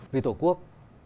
vì tổ quốc